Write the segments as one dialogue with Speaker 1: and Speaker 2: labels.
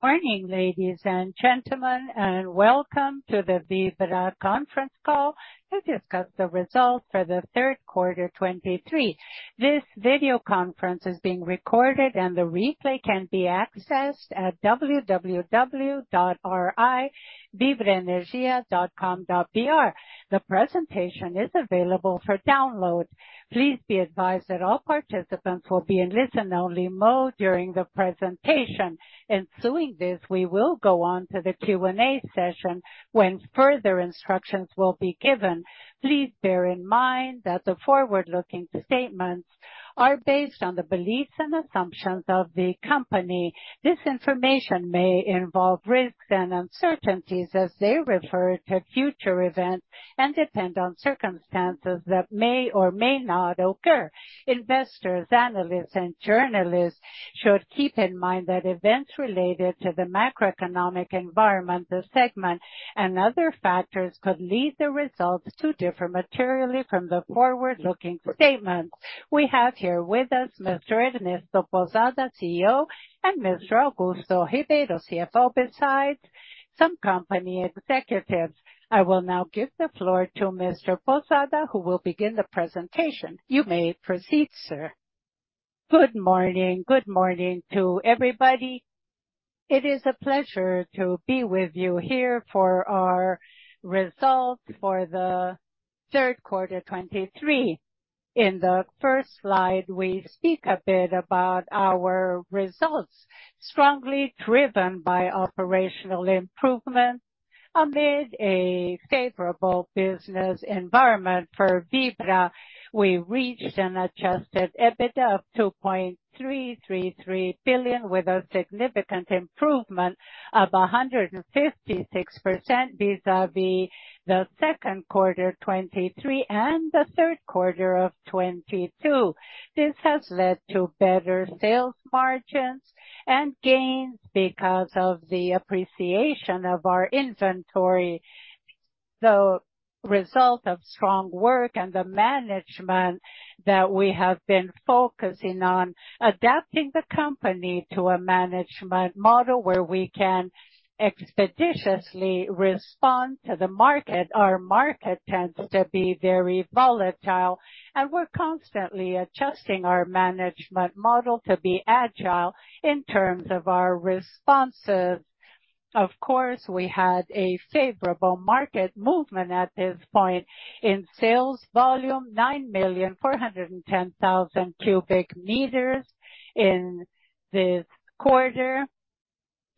Speaker 1: Morning, ladies and gentlemen, and welcome to the Vibra Conference Call to discuss the Results for the Third Quarter 2023. This video conference is being recorded, and the replay can be accessed at www.vibraenergia.com.br. The presentation is available for download. Please be advised that all participants will be in listen-only mode during the presentation. Ensuing this, we will go on to the Q&A session, when further instructions will be given. Please bear in mind that the forward-looking statements are based on the beliefs and assumptions of the company. This information may involve risks and uncertainties as they refer to future events and depend on circumstances that may or may not occur. Investors, analysts, and journalists should keep in mind that events related to the macroeconomic environment, the segment, and other factors could lead the results to differ materially from the forward-looking statements. We have here with us Mr. Ernesto Pousada, CEO, and Mr. Augusto Ribeiro, CFO, besides some company executives. I will now give the floor to Mr. Pousada, who will begin the presentation. You may proceed, sir. Good morning. Good morning to everybody. It is a pleasure to be with you here for our Results for the Third Quarter 2023. In the first slide, we speak a bit about our results, strongly driven by operational improvement amid a favorable business environment for Vibra. We reached an adjusted EBITDA of 2.333 billion, with a significant improvement of 156% vis-à-vis the second quarter 2023 and the third quarter of 2022. This has led to better sales margins and gains because of the appreciation of our inventory. The result of strong work and the management that we have been focusing on adapting the company to a management model where we can expeditiously respond to the market. Our market tends to be very volatile, and we're constantly adjusting our management model to be agile in terms of our responses. Of course, we had a favorable market movement at this point in sales volume, 9,410,000 cu m in this quarter,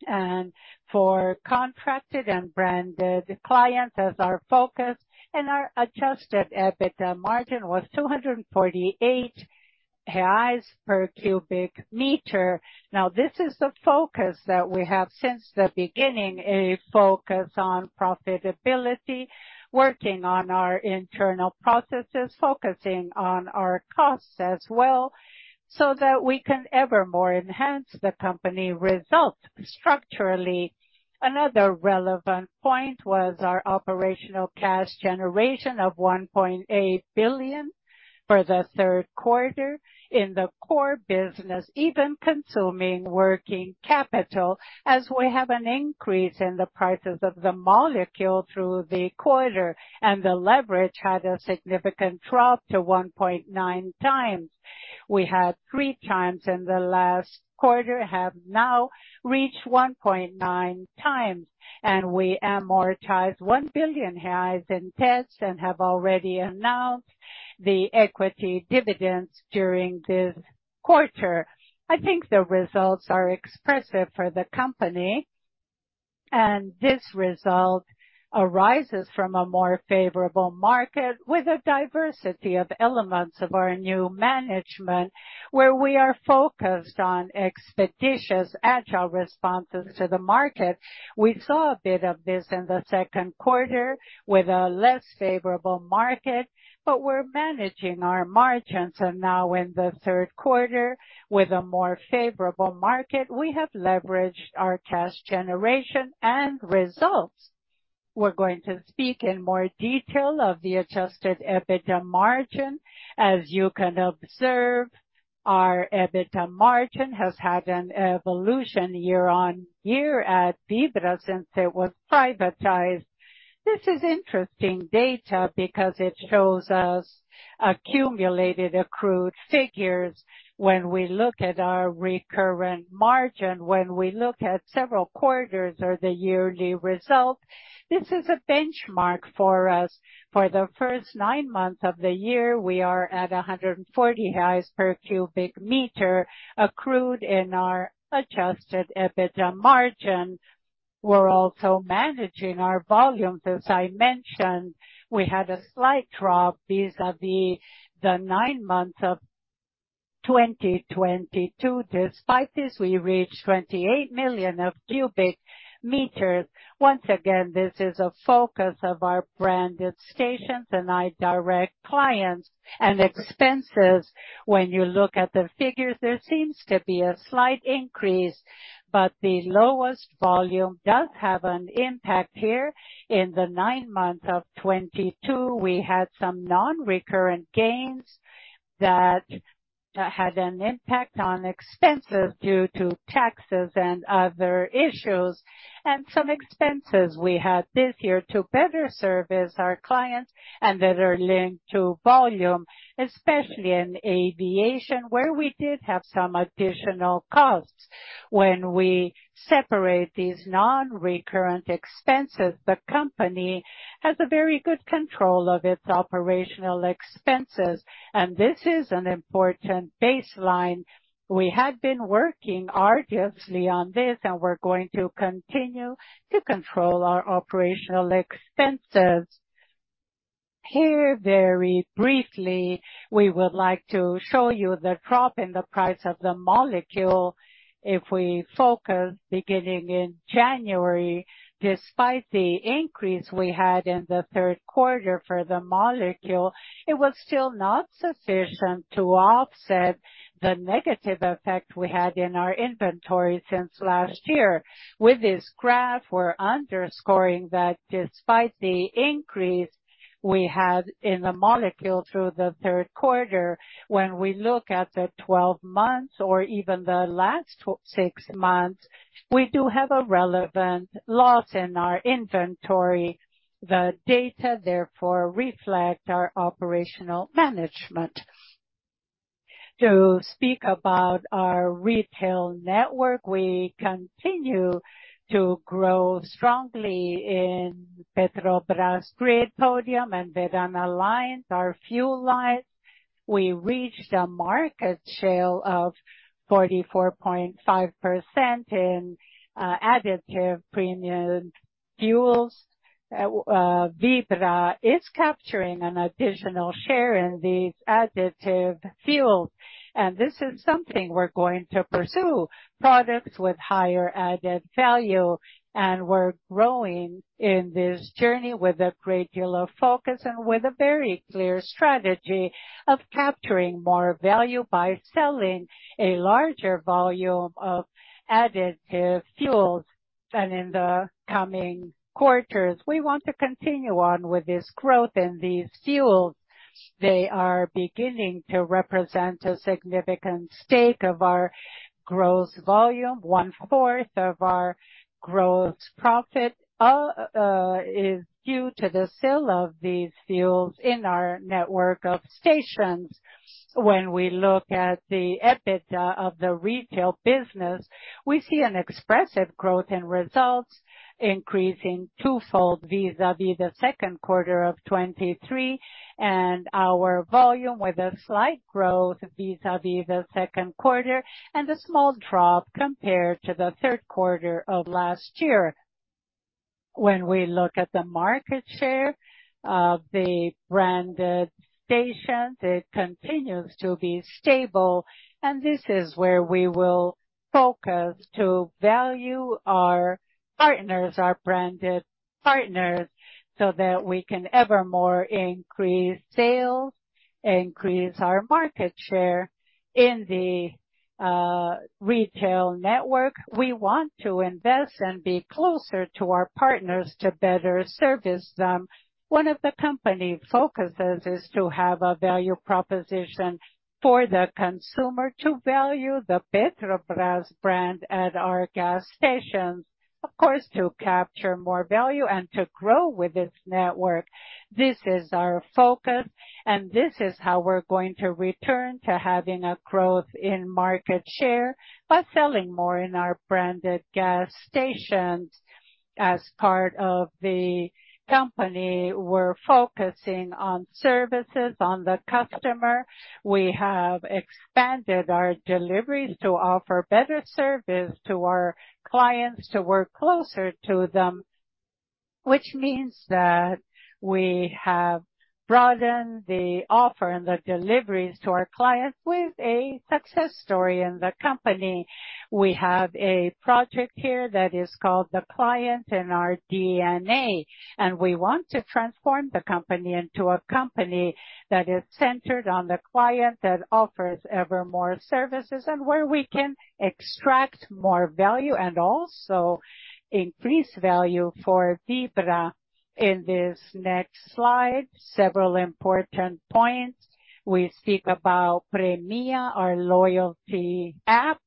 Speaker 1: and for contracted and branded clients as our focus and our Adjusted EBITDA margin was 248 reais per cu m. Now, this is the focus that we have since the beginning, a focus on profitability, working on our internal processes, focusing on our costs as well, so that we can ever more enhance the company results structurally. Another relevant point was our operational cash generation of 1.8 billion for the third quarter in the core business, even consuming working capital, as we have an increase in the prices of the molecule through the quarter, and the leverage had a significant drop to 1.9 times. We had 3 times in the last quarter, have now reached 1.9 times, and we amortized 1 billion reais in debts and have already announced the equity dividends during this quarter. I think the results are expressive for the company, and this result arises from a more favorable market with a diversity of elements of our new management, where we are focused on expeditious, agile responses to the market. We saw a bit of this in the second quarter with a less favorable market, but we're managing our margins. Now in the third quarter, with a more favorable market, we have leveraged our cash generation and results. We're going to speak in more detail of the adjusted EBITDA margin. As you can observe, our EBITDA margin has had an evolution YoY at Vibra since it was privatized. This is interesting data because it shows us accumulated accrued figures when we look at our recurrent margin, when we look at several quarters or the yearly result. This is a benchmark for us. For the first nine months of the year, we are at 140 per cu m, accrued in our adjusted EBITDA margin. We're also managing our volumes. As I mentioned, we had a slight drop vis-a-vis the nine months of 2022. Despite this, we reached 28 million cu m. Once again, this is a focus of our branded stations and our direct clients and expenses. When you look at the figures, there seems to be a slight increase, but the lowest volume does have an impact here. In the nine months of 2022, we had some non-recurring gains that had an impact on expenses due to taxes and other issues, and some expenses we had this year to better service our clients and that are linked to volume, especially in aviation, where we did have some additional costs. When we separate these non-recurring expenses, the company has a very good control of its operational expenses, and this is an important baseline. We had been working arduously on this, and we're going to continue to control our operational expenses. Here, very briefly, we would like to show you the drop in the price of the molecule. If we focus, beginning in January, despite the increase we had in the third quarter for the molecule, it was still not sufficient to offset the negative effect we had in our inventory since last year. With this graph, we're underscoring that despite the increase we had in the molecule through the third quarter, when we look at the 12 months or even the last six months, we do have a relevant loss in our inventory. The data, therefore, reflect our operational management. To speak about our retail network, we continue to grow strongly in Petrobras Grid, Podium, and Verde lines, our fuel lines. We reached a market share of 44.5% in additive premium fuels. Vibra is capturing an additional share in these additive fuels, and this is something we're going to pursue, products with higher added value. We're growing in this journey with a great deal of focus and with a very clear strategy of capturing more value by selling a larger volume of additive fuels. In the coming quarters, we want to continue on with this growth in these fuels. They are beginning to represent a significant stake of our gross volume. 1/4 of our gross profit is due to the sale of these fuels in our network of stations. When we look at the EBITDA of the retail business, we see an expressive growth in results, increasing twofold vis-à-vis the second quarter of 2023, and our volume with a slight growth vis-à-vis the second quarter and a small drop compared to the third quarter of last year. When we look at the market share of the branded stations, it continues to be stable, and this is where we will focus to value our partners, our branded partners, so that we can evermore increase sales, increase our market share in the retail network. We want to invest and be closer to our partners to better service them. One of the company focuses is to have a value proposition for the consumer to value the Petrobras brand at our gas stations. Of course, to capture more value and to grow with its network. This is our focus, and this is how we're going to return to having a growth in market share by selling more in our branded gas stations. As part of the company, we're focusing on services, on the customer. We have expanded our deliveries to offer better service to our clients, to work closer to them, which means that we have broadened the offer and the deliveries to our clients with a success story in the company. We have a project here that is called The Client in Our DNA, and we want to transform the company into a company that is centered on the client, that offers ever more services, and where we can extract more value and also increase value for Vibra. In this next slide, several important points. We speak about Premmia, our loyalty app,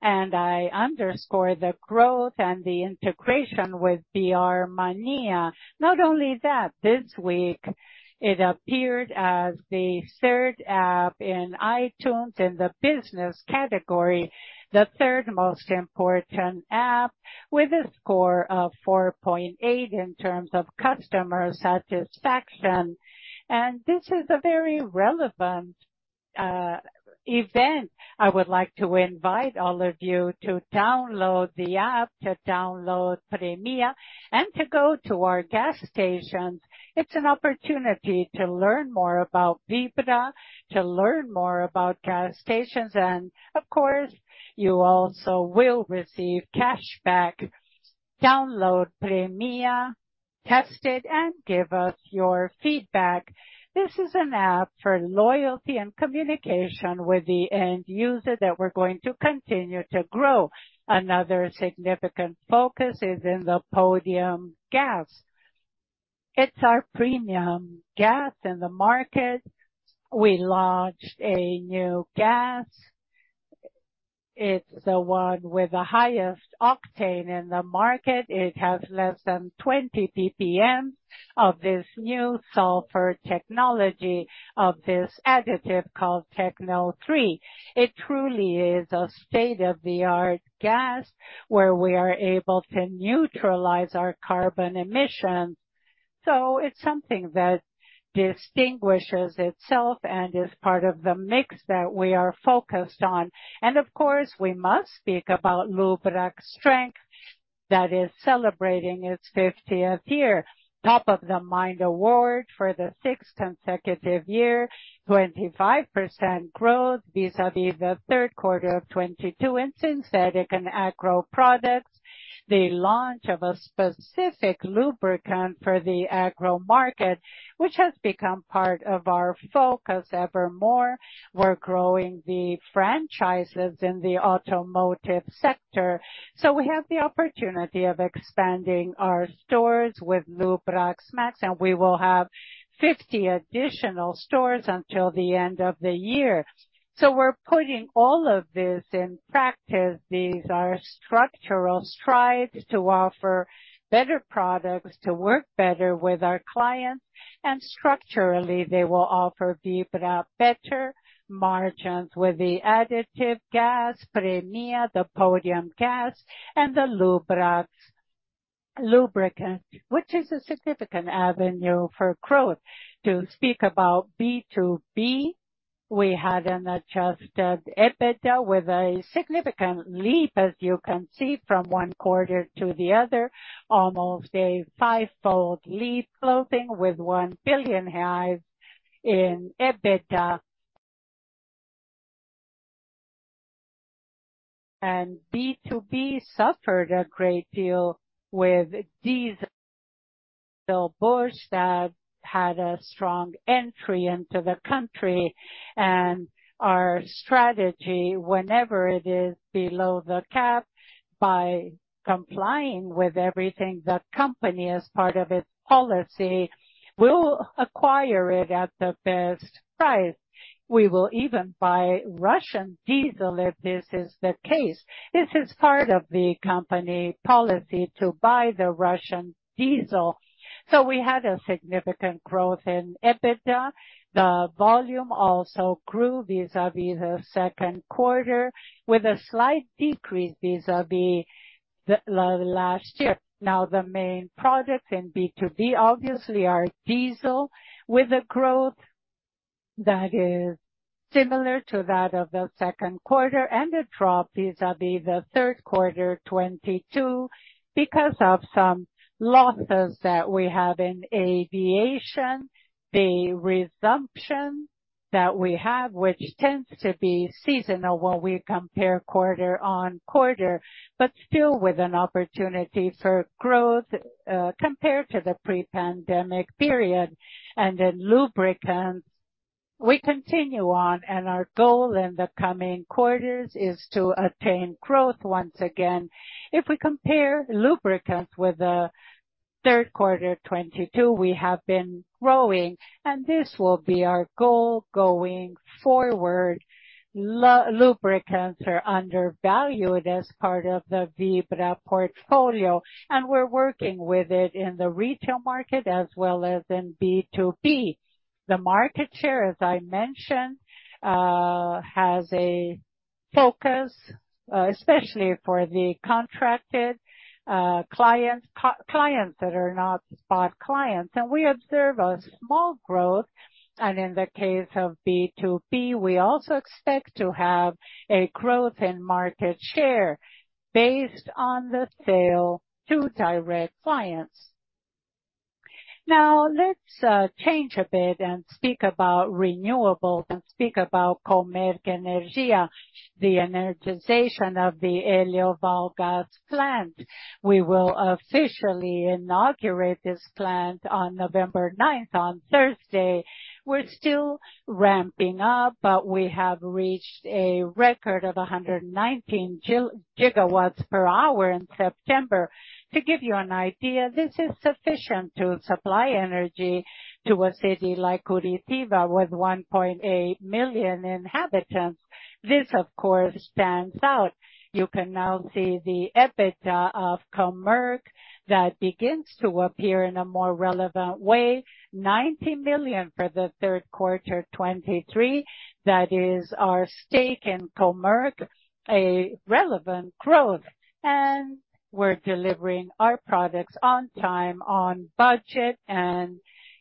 Speaker 1: and I underscore the growth and the integration with BR Mania. Not only that, this week, it appeared as the third app in iTunes, in the business category, the third most important app, with a score of 4.8 in terms of customer satisfaction. And this is a very relevant-... I would like to invite all of you to download the app, to download Premmia, and to go to our gas stations. It's an opportunity to learn more about Vibra, to learn more about gas stations, and of course, you also will receive cashback. Download Premmia, test it, and give us your feedback. This is an app for loyalty and communication with the end user that we're going to continue to grow. Another significant focus is in the Podium gas. It's our premium gas in the market. We launched a new gas. It's the one with the highest octane in the market. It has less than 20 PPM of this new sulfur technology, of this additive called Tecno 3. It truly is a state-of-the-art gas, where we are able to neutralize our carbon emissions. It's something that distinguishes itself and is part of the mix that we are focused on. Of course, we must speak about Lubrax brand, that is celebrating its 50th year. Top of the Mind Award for the 6th consecutive year, 25% growth vis-à-vis the third quarter of 2022, and synthetic and agro products. The launch of a specific lubricant for the agro market, which has become part of our focus evermore. We're growing the franchises in the automotive sector. We have the opportunity of expanding our stores with Lubrax+, and we will have 50 additional stores until the end of the year. We're putting all of this in practice. These are structural strides to offer better products, to work better with our clients, and structurally, they will offer Vibra better margins with the additive gas, Premmia, the Podium gas, and the Lubrax lubricant, which is a significant avenue for growth. To speak about B2B, we had an adjusted EBITDA with a significant leap, as you can see, from one quarter to the other, almost a fivefold leap, closing with 1 billion reais in EBITDA. B2B suffered a great deal with diesel bursts that had a strong entry into the country. Our strategy, whenever it is below the cap, by complying with everything, the company, as part of its policy, will acquire it at the best price. We will even buy Russian diesel, if this is the case. This is part of the company policy to buy the Russian diesel. We had a significant growth in EBITDA. The volume also grew vis-à-vis the second quarter, with a slight decrease vis-à-vis the last year. Now, the main products in B2B, obviously, are diesel, with a growth that is similar to that of the second quarter, and a drop vis-à-vis the third quarter 2022, because of some losses that we have in aviation, the resumption that we have, which tends to be seasonal when we compare QoQ, but still with an opportunity for growth, compared to the pre-pandemic period. And in lubricants, we continue on, and our goal in the coming quarters is to attain growth once again. If we compare lubricants with the third quarter of 2022, we have been growing, and this will be our goal going forward. Lubricants are undervalued as part of the Vibra portfolio, and we're working with it in the retail market as well as in B2B. The market share, as I mentioned, has a focus, especially for the contracted, clients that are not spot clients, and we observe a small growth. And in the case of B2B, we also expect to have a growth in market share based on the sale to direct clients. Now, let's change a bit and speak about renewables and speak about Comerc Energia, the energization of the Hélio Valgas's plant. We will officially inaugurate this plant on November 9th, on Thursday. We're still ramping up, but we have reached a record of 119 GWh in September. To give you an idea, this is sufficient to supply energy to a city like Curitiba, with 1.8 million inhabitants. This, of course, stands out. You can now see the EBITDA of Comerc that begins to appear in a more relevant way. 90 million for the third quarter 2023. That is our stake in Comerc, a relevant growth, and we're delivering our products on time, on budget, and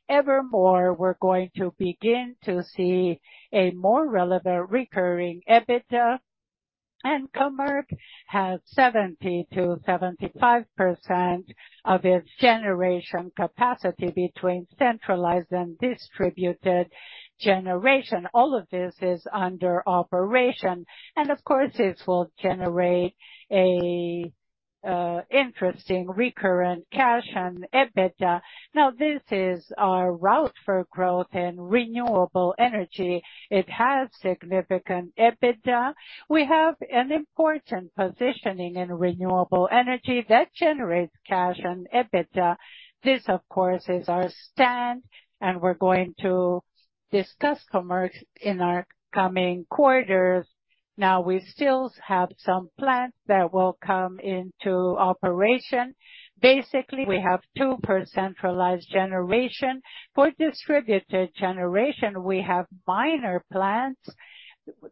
Speaker 1: evermore, we're going to begin to see a more relevant recurring EBITDA. Comerc has 70%-75% of its generation capacity between centralized and distributed generation. All of this is under operation, and of course, this will generate a interesting recurrent cash and EBITDA. Now, this is our route for growth in renewable energy. It has significant EBITDA. We have an important positioning in renewable energy that generates cash and EBITDA. This, of course, is our stand, and we're going to discuss Comerc in our coming quarters. Now, we still have some plants that will come into operation. Basically, we have two per centralized generation. For distributed generation, we have minor plants.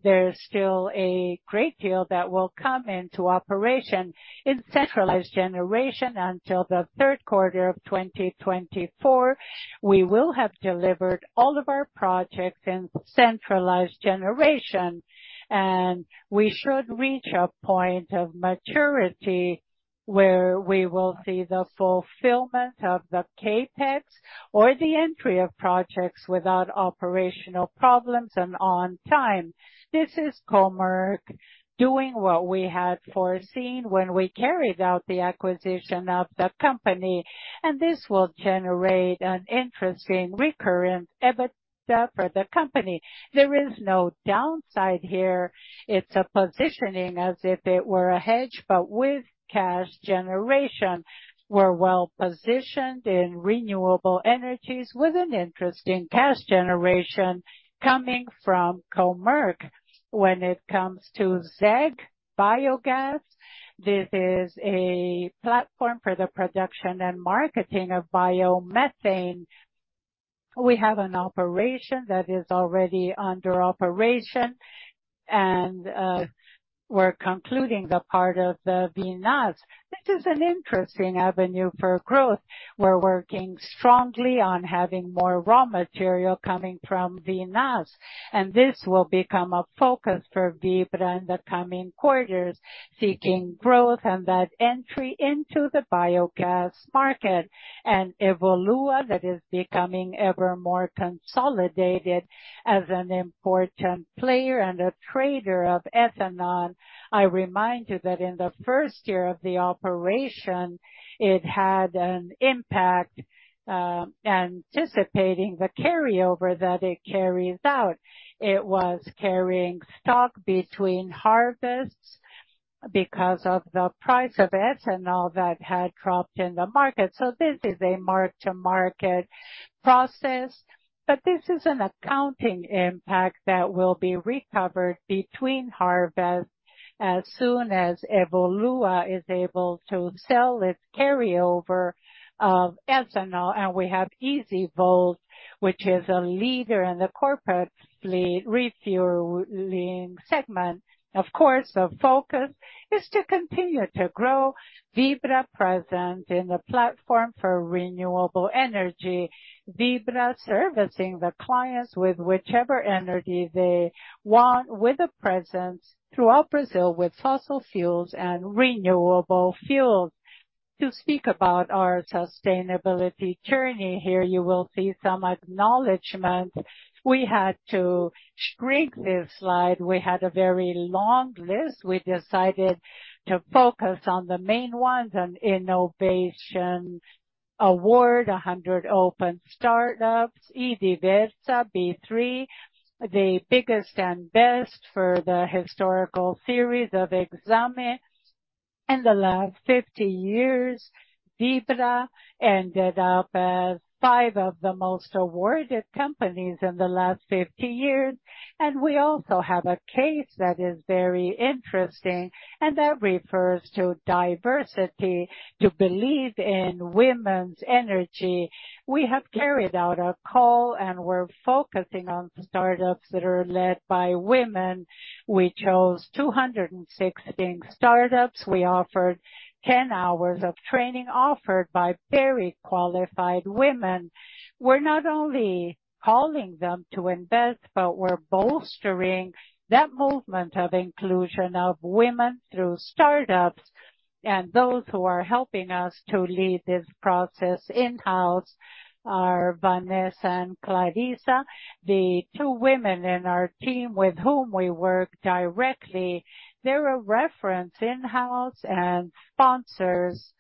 Speaker 1: There's still a great deal that will come into operation. In centralized generation, until the third quarter of 2024, we will have delivered all of our projects in centralized generation, and we should reach a point of maturity where we will see the fulfillment of the CapEx or the entry of projects without operational problems and on time. This is Comerc doing what we had foreseen when we carried out the acquisition of the company, and this will generate an interesting recurrent EBITDA for the company. There is no downside here. It's a positioning as if it were a hedge, but with cash generation. We're well-positioned in renewable energies with an interesting cash generation coming from Comerc. When it comes to ZEG Biogás, this is a platform for the production and marketing of biomethane. We have an operation that is already under operation, and we're concluding the part of the vinasse. This is an interesting avenue for growth. We're working strongly on having more raw material coming from vinasse, and this will become a focus for Vibra in the coming quarters, seeking growth and that entry into the biogas market. And Evolua, that is becoming ever more consolidated as an important player and a trader of ethanol. I remind you that in the first year of the operation, it had an impact, anticipating the carryover that it carried out. It was carrying stock between harvests because of the price of ethanol that had dropped in the market. So this is a mark-to-market process, but this is an accounting impact that will be recovered between harvests as soon as Evolua is able to sell its carryover of ethanol. We have EZVolt, which is a leader in the corporate fleet refueling segment. Of course, the focus is to continue to grow Vibra presence in the platform for renewable energy. Vibra servicing the clients with whichever energy they want, with a presence throughout Brazil, with fossil fuels and renewable fuels. To speak about our sustainability journey here, you will see some acknowledgment. We had to shrink this slide. We had a very long list. We decided to focus on the main ones, an innovation award, 100 Open Startups, IDIVERSA, B3, the biggest and best for the historical series of Exame. In the last 50 years, Vibra ended up as five of the most awarded companies in the last 50 years, and we also have a case that is very interesting, and that refers to diversity, to believe in women's energy. We have carried out a call, and we're focusing on startups that are led by women. We chose 216 startups. We offered 10 hours of training offered by very qualified women. We're not only calling them to invest, but we're bolstering that movement of inclusion of women through startups. And those who are helping us to lead this process in-house are Vanessa and Clarissa, the two women in our team with whom we work directly. They're a reference in-house and sponsors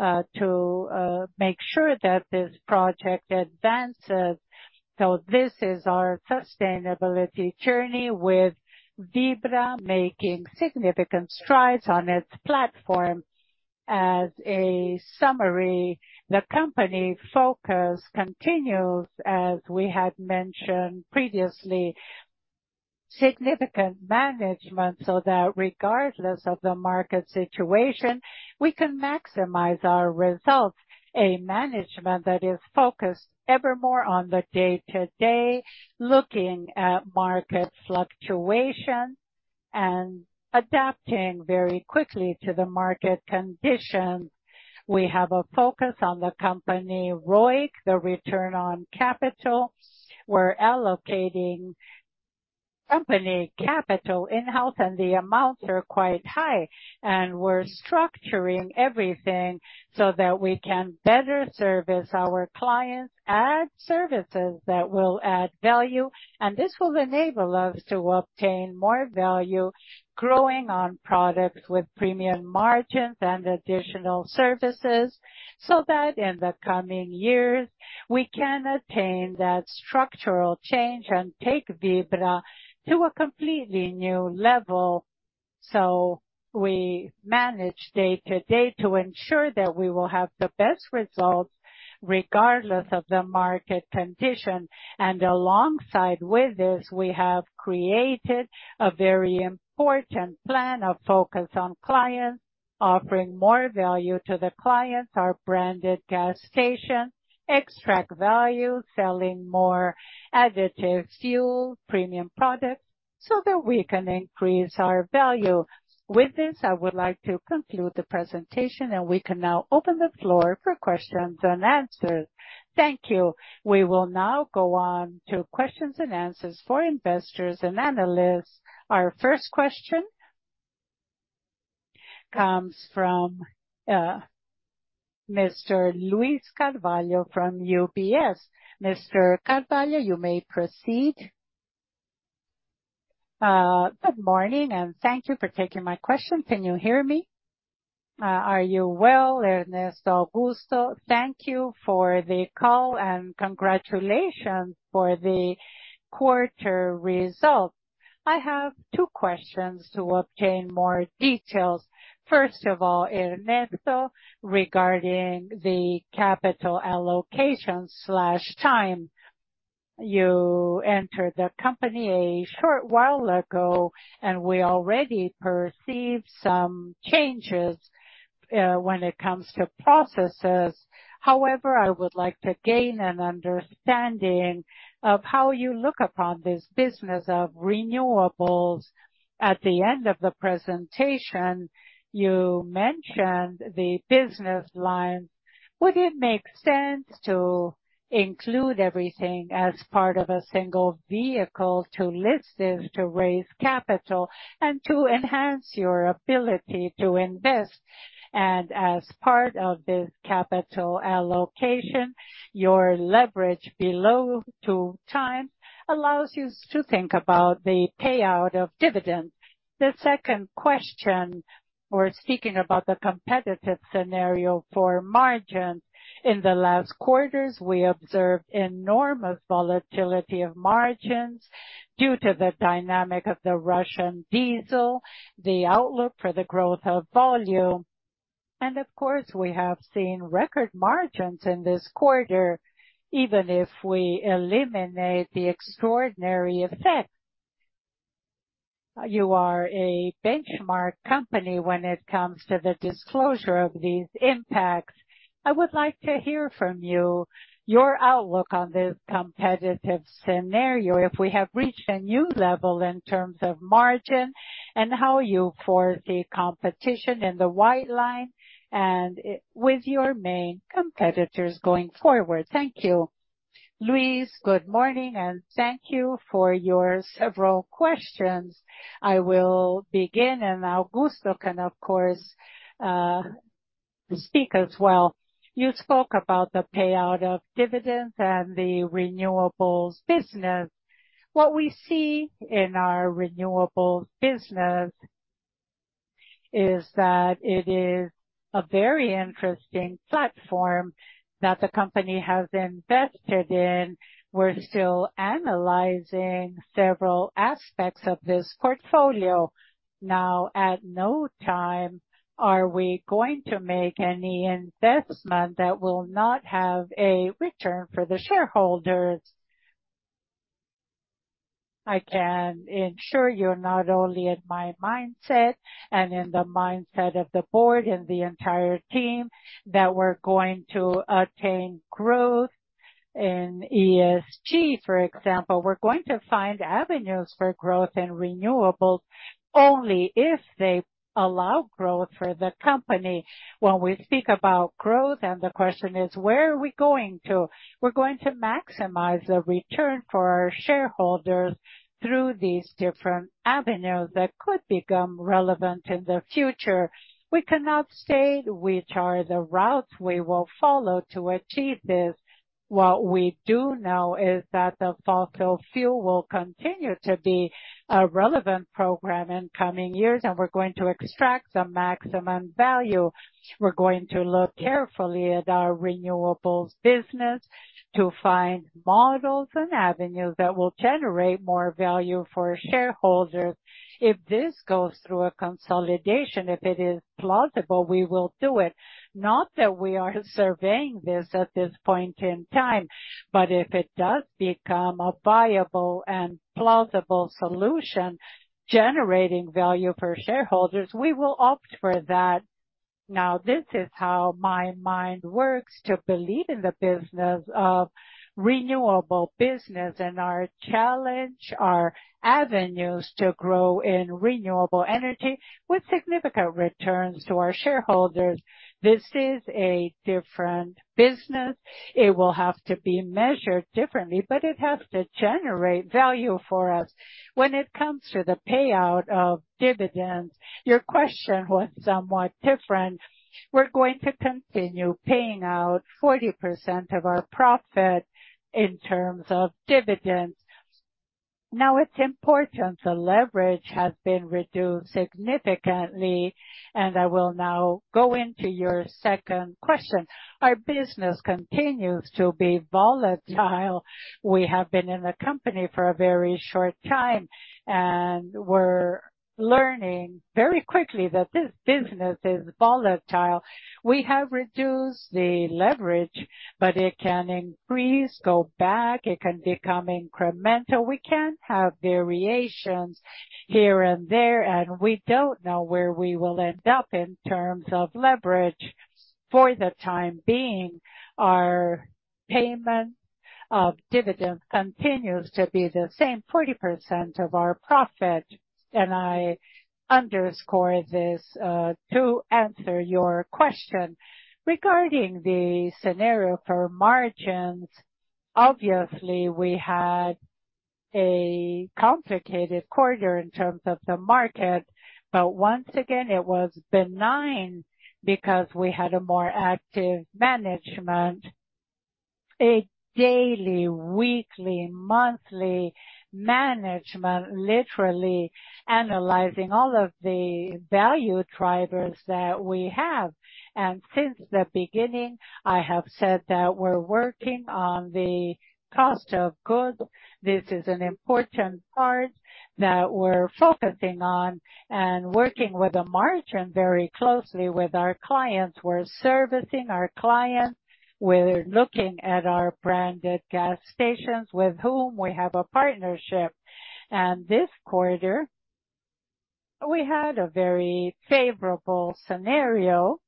Speaker 1: to make sure that this project advances. So this is our sustainability journey, with Vibra making significant strides on its platform. As a summary, the company focus continues, as we had mentioned previously, significant management, so that regardless of the market situation, we can maximize our results. A management that is focused evermore on the day-to-day, looking at market fluctuations and adapting very quickly to the market conditions. We have a focus on the company ROIC, the return on capital. We're allocating company capital in-house, and the amounts are quite high, and we're structuring everything so that we can better service our clients, add services that will add value, and this will enable us to obtain more value growing on products with premium margins and additional services, so that in the coming years, we can attain that structural change and take Vibra to a completely new level. So we manage day to day to ensure that we will have the best results regardless of the market condition. Alongside with this, we have created a very important plan of focus on clients, offering more value to the clients, our branded gas station, extract value, selling more additive fuel, premium products, so that we can increase our value. With this, I would like to conclude the presentation, and we can now open the floor for questions and answers. Thank you. We will now go on to questions and answers for investors and analysts. Our first question comes from Mr. Luiz Carvalho from UBS. Mr. Carvalho, you may proceed. Good morning, and thank you for taking my question. Can you hear me? Are you well, Ernesto, Augusto, thank you for the call, and congratulations for the quarter results. I have two questions to obtain more details. First of all, Ernesto, regarding the capital allocation/time, you entered the company a short while ago, and we already perceive some changes when it comes to processes. However, I would like to gain an understanding of how you look upon this business of renewables. At the end of the presentation, you mentioned the business line. Would it make sense to include everything as part of a single vehicle, to list it, to raise capital, and to enhance your ability to invest? And as part of this capital allocation, your leverage below two times allows you to think about the payout of dividends. The second question, we're speaking about the competitive scenario for margins. In the last quarters, we observed enormous volatility of margins due to the dynamic of the Russian diesel, the outlook for the growth of volume, and of course, we have seen record margins in this quarter, even if we eliminate the extraordinary effect. You are a benchmark company when it comes to the disclosure of these impacts. I would like to hear from you, your outlook on this competitive scenario, if we have reached a new level in terms of margin, and how you foresee competition in the White Line and with your main competitors going forward. Thank you. Luiz, good morning, and thank you for your several questions. I will begin, and Augusto can, of course, speak as well. You spoke about the payout of dividends and the renewables business. What we see in our renewables business is that it is a very interesting platform that the company has invested in. We're still analyzing several aspects of this portfolio. Now, at no time are we going to make any investment that will not have a return for the shareholders. I can ensure you, not only in my mindset and in the mindset of the board and the entire team, that we're going to attain growth in ESG, for example. We're going to find avenues for growth in renewables only if they allow growth for the company. When we speak about growth, and the question is: Where are we going to? We're going to maximize the return for our shareholders through these different avenues that could become relevant in the future. We cannot state which are the routes we will follow to achieve this. What we do know is that the fossil fuel will continue to be a relevant program in coming years, and we're going to extract the maximum value. We're going to look carefully at our renewables business to find models and avenues that will generate more value for shareholders. If this goes through a consolidation, if it is plausible, we will do it. Not that we are surveying this at this point in time, but if it does become a viable and plausible solution, generating value for shareholders, we will opt for that... Now, this is how my mind works to believe in the business of renewable business and our challenge, our avenues to grow in renewable energy with significant returns to our shareholders. This is a different business. It will have to be measured differently, but it has to generate value for us. When it comes to the payout of dividends, your question was somewhat different. We're going to continue paying out 40% of our profit in terms of dividends. Now, it's important the leverage has been reduced significantly, and I will now go into your second question. Our business continues to be volatile. We have been in the company for a very short time, and we're learning very quickly that this business is volatile. We have reduced the leverage, but it can increase, go back, it can become incremental. We can have variations here and there, and we don't know where we will end up in terms of leverage. For the time being, our payment of dividends continues to be the same, 40% of our profit, and I underscore this to answer your question. Regarding the scenario for margins, obviously, we had a complicated quarter in terms of the market, but once again, it was benign because we had a more active management, a daily, weekly, monthly management, literally analyzing all of the value drivers that we have. Since the beginning, I have said that we're working on the cost of goods. This is an important part that we're focusing on and working with the margin very closely with our clients. We're servicing our clients, we're looking at our branded gas stations with whom we have a partnership. This quarter, we had a very favorable scenario,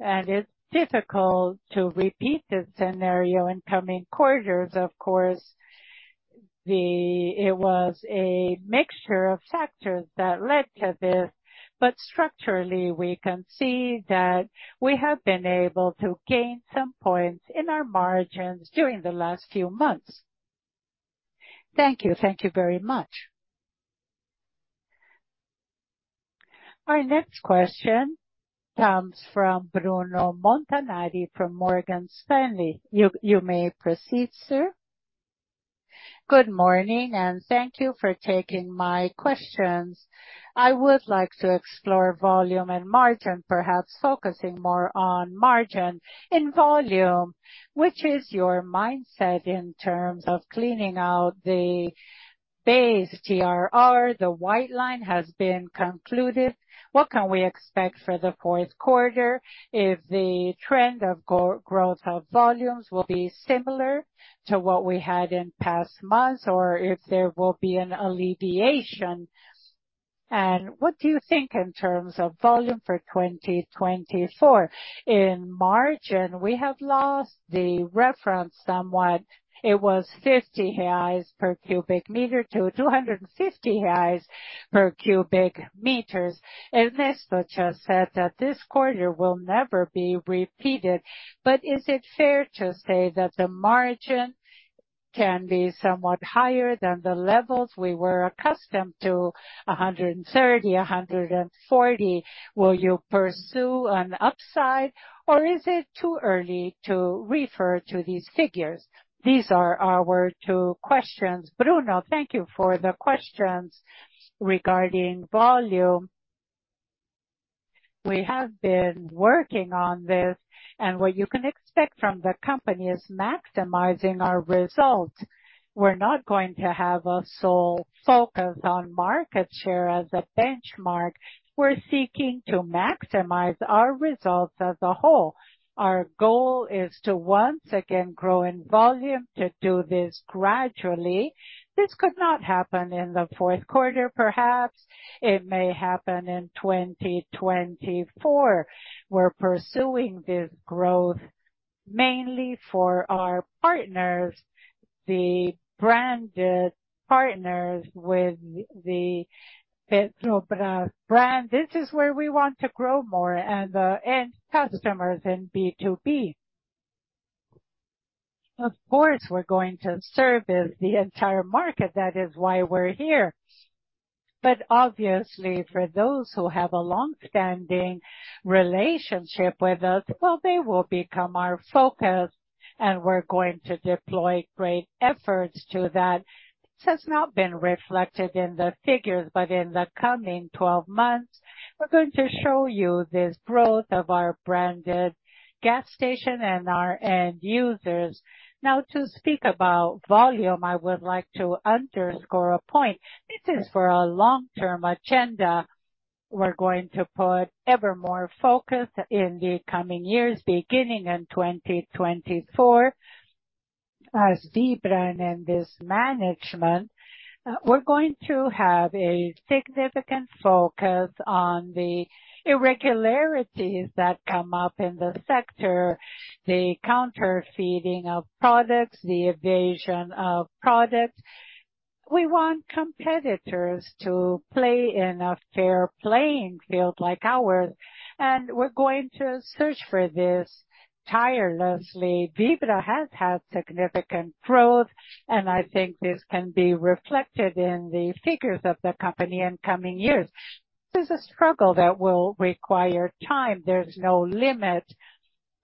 Speaker 1: and it's difficult to repeat this scenario in coming quarters. Of course, it was a mixture of factors that led to this, but structurally, we can see that we have been able to gain some points in our margins during the last few months. Thank you. Thank you very much. Our next question comes from Bruno Montanari, from Morgan Stanley. You may proceed, sir. Good morning, and thank you for taking my questions. I would like to explore volume and margin, perhaps focusing more on margin. In volume, which is your mindset in terms of cleaning out the base TRR, the White Line has been concluded. What can we expect for the fourth quarter if the trend of growth of volumes will be similar to what we had in past months, or if there will be an alleviation? And what do you think in terms of volume for 2024? In margin, we have lost the reference somewhat. It was 50 reais per cu m to 250 reais per cu m. Ernesto just said that this quarter will never be repeated, but is it fair to say that the margin can be somewhat higher than the levels we were accustomed to, 130, 140? Will you pursue an upside, or is it too early to refer to these figures? These are our two questions. Bruno, thank you for the questions regarding volume. We have been working on this, and what you can expect from the company is maximizing our results. We're not going to have a sole focus on market share as a benchmark. We're seeking to maximize our results as a whole. Our goal is to once again grow in volume, to do this gradually. This could not happen in the fourth quarter, perhaps; it may happen in 2024. We're pursuing this growth mainly for our partners, the branded partners with the Petrobras brand. This is where we want to grow more, and, end customers in B2B. Of course, we're going to service the entire market. That is why we're here. But obviously, for those who have a long-standing relationship with us, well, they will become our focus, and we're going to deploy great efforts to that. This has not been reflected in the figures, but in the coming 12 months, we're going to show you this growth of our branded gas station and our end users. Now, to speak about volume, I would like to underscore a point. This is for our long-term agenda. We're going to put ever more focus in the coming years, beginning in 2024.... As Vibra and this management, we're going to have a significant focus on the irregularities that come up in the sector, the counterfeiting of products, the evasion of products. We want competitors to play in a fair playing field like ours, and we're going to search for this tirelessly. Vibra has had significant growth, and I think this can be reflected in the figures of the company in coming years. There's a struggle that will require time. There's no limit,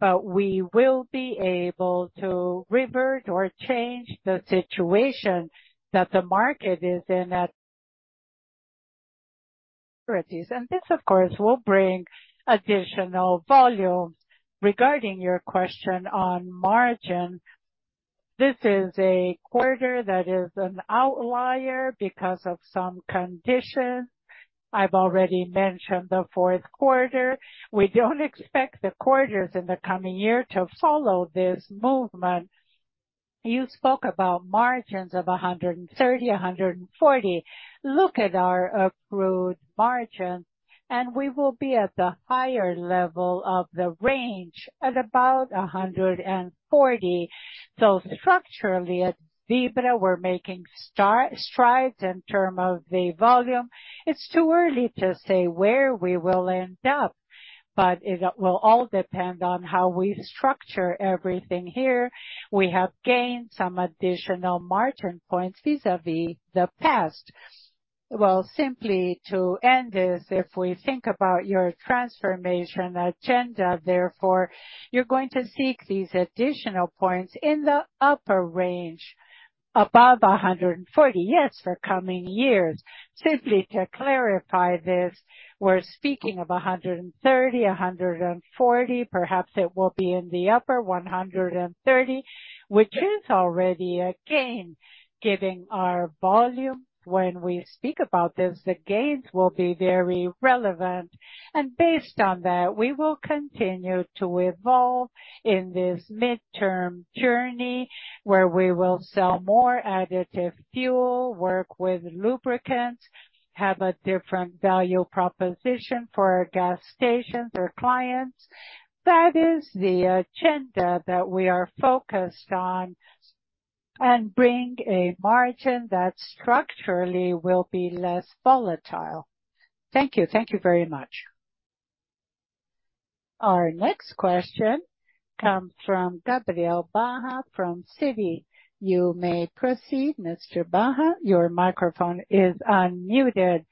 Speaker 1: but we will be able to revert or change the situation that the market is in at parties. This, of course, will bring additional volumes. Regarding your question on margin, this is a quarter that is an outlier because of some conditions. I've already mentioned the fourth quarter. We don't expect the quarters in the coming year to follow this movement. You spoke about margins of 130, 140. Look at our approved margins, and we will be at the higher level of the range at about 140. So structurally, at Vibra, we're making strides in terms of the volume. It's too early to say where we will end up, but it will all depend on how we structure everything here. We have gained some additional margin points vis-a-vis the past. Well, simply to end this, if we think about your transformation agenda, therefore, you're going to seek these additional points in the upper range, above 140. Yes, for coming years. Simply to clarify this, we're speaking of 130, 140. Perhaps it will be in the upper 130, which is already a gain, given our volume. When we speak about this, the gains will be very relevant, and based on that, we will continue to evolve in this midterm journey, where we will sell more additive fuel, work with lubricants, have a different value proposition for our gas stations or clients. That is the agenda that we are focused on, and bring a margin that structurally will be less volatile. Thank you. Thank you very much. Our next question comes from Gabriel Barra from Citi. You may proceed, Mr. Barra. Your microphone is unmuted.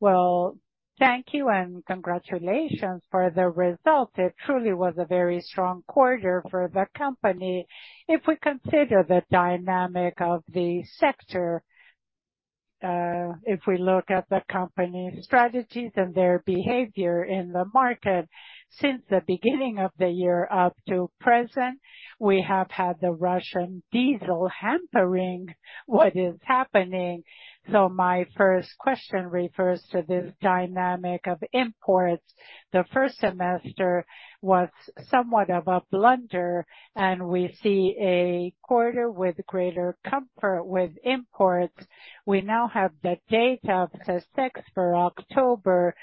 Speaker 1: Well, thank you and congratulations for the result. It truly was a very strong quarter for the company. If we consider the dynamic of the sector, if we look at the company's strategies and their behavior in the market, since the beginning of the year up to present, we have had the Russian diesel hampering what is happening. So my first question refers to this dynamic of imports. The first semester was somewhat of a blunder, and we see a quarter with greater comfort with imports. We now have the data of the sixth for October,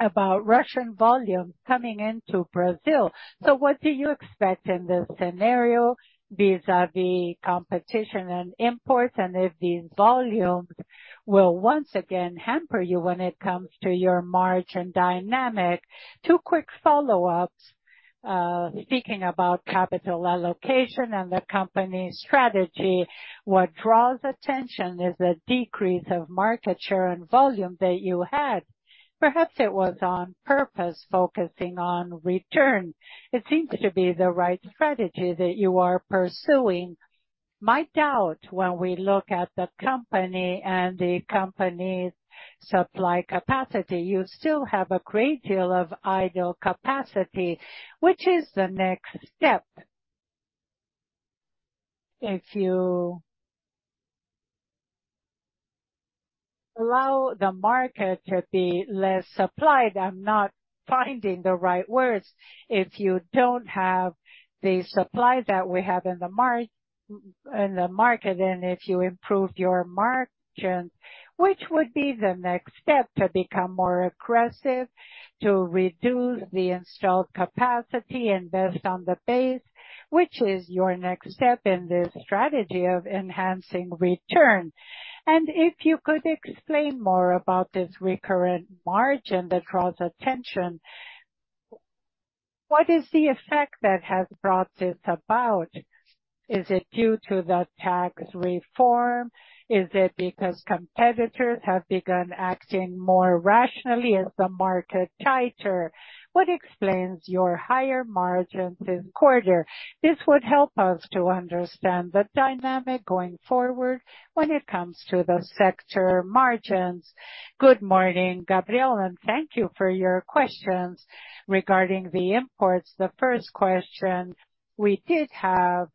Speaker 1: about Russian volumes coming into Brazil. So what do you expect in this scenario, vis-a-vis competition and imports, and if these volumes will once again hamper you when it comes to your margin dynamic? Two quick follow-ups. Speaking about capital allocation and the company's strategy, what draws attention is the decrease of market share and volume that you had. Perhaps it was on purpose, focusing on return. It seems to be the right strategy that you are pursuing. My doubt, when we look at the company and the company's supply capacity, you still have a great deal of idle capacity, which is the next step. If you... allow the market to be less supplied, I'm not finding the right words. If you don't have the supply that we have in the market, and if you improve your margins, which would be the next step to become more aggressive, to reduce the installed capacity, invest on the base, which is your next step in this strategy of enhancing return? And if you could explain more about this recurrent margin that draws attention, what is the effect that has brought this about? Is it due to the tax reform? Is it because competitors have begun acting more rationally as the market tighter? What explains your higher margins this quarter? This would help us to understand the dynamic going forward when it comes to the sector margins. Good morning, Gabriel, and thank you for your questions. Regarding the imports, the first question, we did have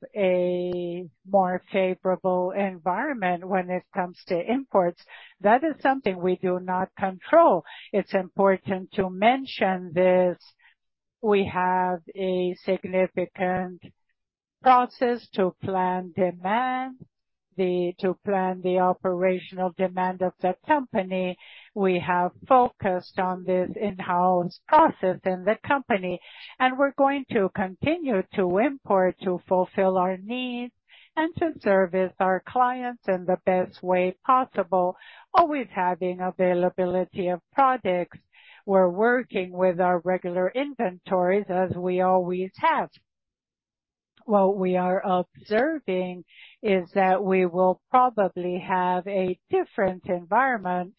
Speaker 1: more favorable environment when it comes to imports. That is something we do not control. It's important to mention this. We have a significant process to plan the operational demand of the company. We have focused on this in-house process in the company, and we're going to continue to import, to fulfill our needs and to service our clients in the best way possible, always having availability of products. We're working with our regular inventories, as we always have. What we are observing is that we will probably have a different environment,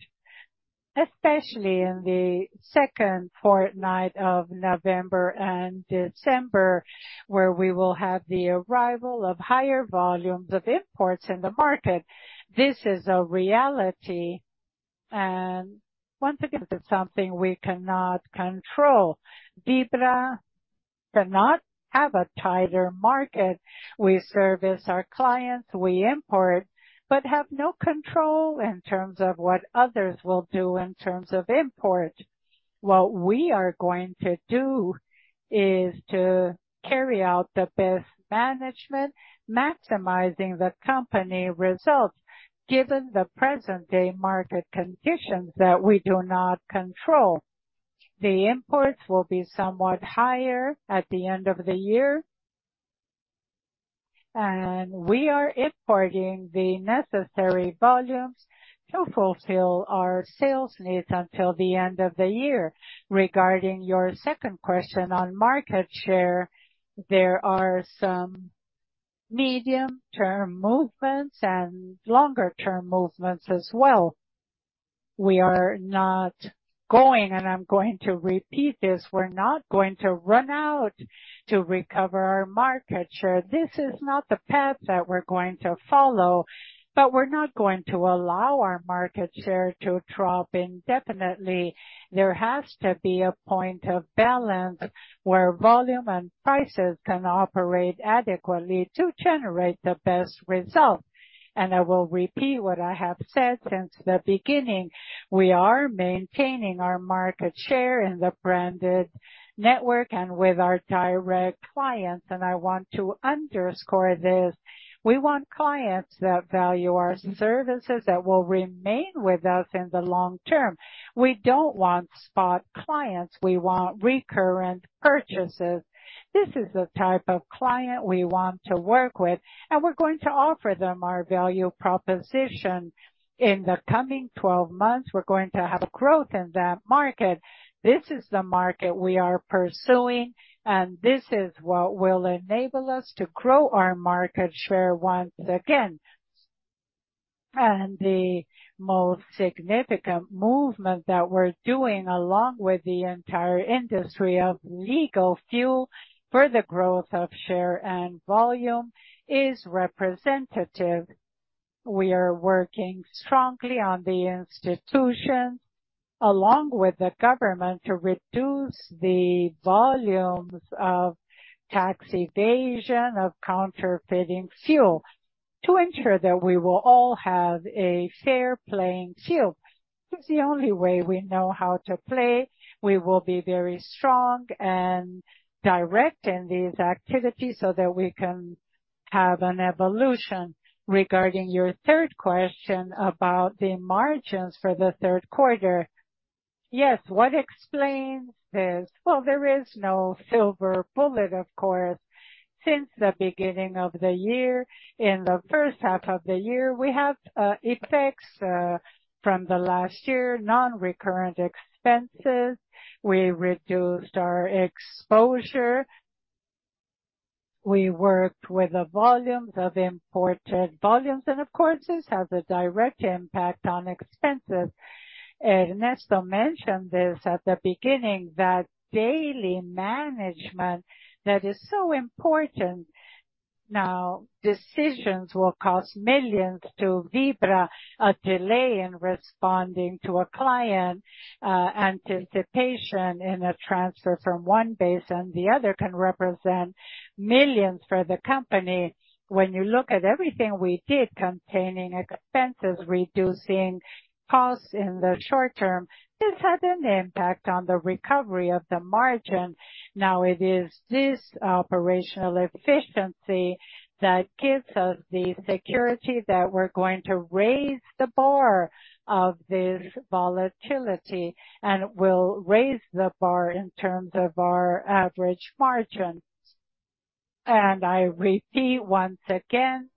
Speaker 1: especially in the second fortnight of November and December, where we will have the arrival of higher volumes of imports in the market. This is a reality, and once again, it's something we cannot control. Vibra cannot have a tighter market. We service our clients, we import, but have no control in terms of what others will do in terms of import. What we are going to do is to carry out the best management, maximizing the company results, given the present day market conditions that we do not control. The imports will be somewhat higher at the end of the year, and we are importing the necessary volumes to fulfill our sales needs until the end of the year. Regarding your second question on market share, there are some medium-term movements and longer term movements as well. We are not going, and I'm going to repeat this, we're not going to run out to recover our market share. This is not the path that we're going to follow, but we're not going to allow our market share to drop indefinitely. There has to be a point of balance where volume and prices can operate adequately to generate the best results. I will repeat what I have said since the beginning: We are maintaining our market share in the branded network and with our direct clients, and I want to underscore this. We want clients that value our services, that will remain with us in the long term. We don't want spot clients; we want recurrent purchases. This is the type of client we want to work with, and we're going to offer them our value proposition. In the coming 12 months, we're going to have growth in that market. This is the market we are pursuing, and this is what will enable us to grow our market share once again. And the most significant movement that we're doing, along with the entire industry of legal fuel for the growth of share and volume, is representative. We are working strongly on the institutions, along with the government, to reduce the volumes of tax evasion, of counterfeiting fuel, to ensure that we will all have a fair playing field. It's the only way we know how to play. We will be very strong and direct in these activities so that we can have an evolution. Regarding your third question about the margins for the third quarter. Yes, what explains this? Well, there is no silver bullet, of course. Since the beginning of the year, in the first half of the year, we have effects from the last year, non-recurring expenses. We reduced our exposure. We worked with the volumes of imported volumes, and of course, this has a direct impact on expenses. Ernesto mentioned this at the beginning, that daily management, that is so important. Now, decisions will cost millions to Vibra. A delay in responding to a client, anticipation in a transfer from one base and the other can represent millions for the company. When you look at everything we did, containing expenses, reducing costs in the short term, this had an impact on the recovery of the margin. Now it is this operational efficiency that gives us the security that we're going to raise the bar of this volatility, and we'll raise the bar in terms of our average margins. And I repeat once again,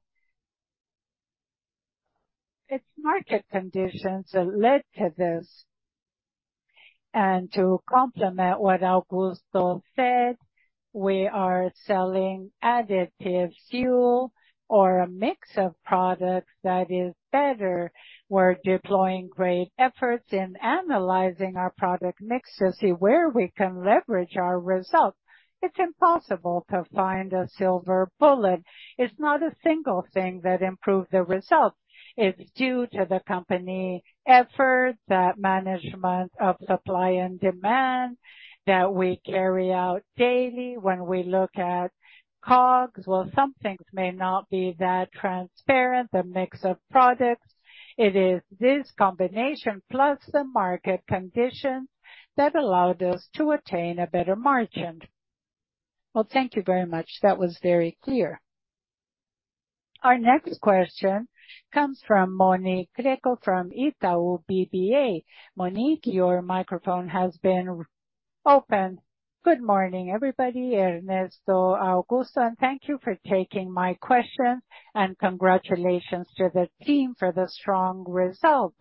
Speaker 1: it's market conditions that led to this. And to complement what Augusto said, we are selling additive fuel or a mix of products that is better. We're deploying great efforts in analyzing our product mix to see where we can leverage our results. It's impossible to find a silver bullet. It's not a single thing that improved the results. It's due to the company efforts, that management of supply and demand that we carry out daily. When we look at COGS, well, some things may not be that transparent, the mix of products. It is this combination, plus the market conditions, that allowed us to attain a better margin. Well, thank you very much. That was very clear.... Our next question comes from Monique Greco from Itaú BBA. Monique, your microphone has been opened. Good morning, everybody, Ernesto, Augusto, and thank you for taking my question, and congratulations to the team for the strong results.